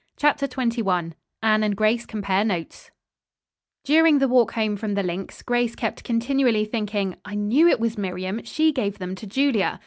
CHAPTER XXI ANNE AND GRACE COMPARE NOTES During the walk home from the links, Grace kept continually thinking, "I knew it was Miriam. She gave them to Julia."